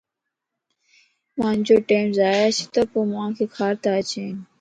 مانجو ٽيم ضائع ڇتوپومانک کارتا اچين